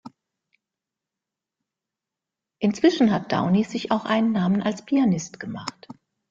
Inzwischen hat Downie sich auch einen Namen als Pianist gemacht.